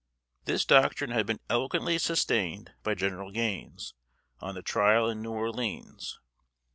This doctrine had been eloquently sustained by General Gaines, on the trial in New Orleans.